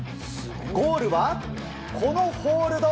ゴールは、このホールド。